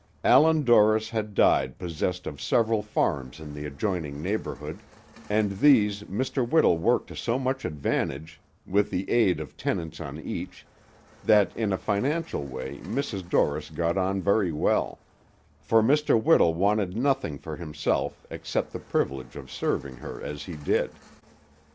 Allan Dorris had died possessed of several farms in the adjoining neighborhood, and these Mr. Whittle worked to so much advantage, with the aid of tenants on each, that in a financial way Mrs. Dorris got on very well; for Mr. Whittle wanted nothing for himself except the privilege of serving her as he did.